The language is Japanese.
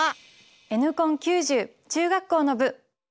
「Ｎコン９０」中学校の部。